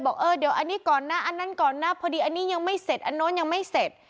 บอกเออเดี๋ยวอันนี้ก่อนนะอันนั้นก่อนนะพอดีอันนี้ยังไม่เสร็จอันโน้นยังไม่เสร็จ